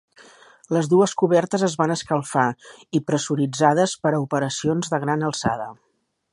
Les dues cobertes es van escalfar i pressuritzades per a operacions de gran alçada.